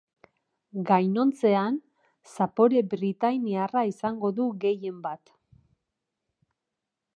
Gainontzean, zapore britainiarra izango du gehien bat.